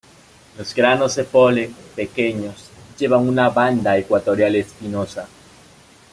Los granos de polen, pequeños, llevan una banda ecuatorial espinosa.